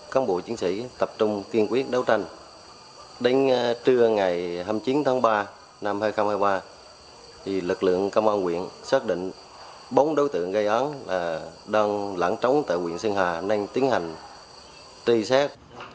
công bộ chiến sĩ tập trung kiên quyết đấu tranh đến trưa ngày hai mươi chín tháng ba năm hai nghìn hai mươi ba lực lượng công an quyện xác định bốn đối tượng gây án là đang lẩn trống tại quyện sơn hà nên tiến hành truy xét